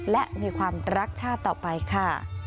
และมีความรักชาติต่อไปค่ะ